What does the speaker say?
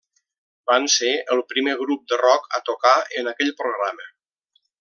Van ser el primer grup de rock a tocar en aquell programa.